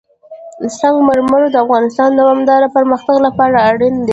سنگ مرمر د افغانستان د دوامداره پرمختګ لپاره اړین دي.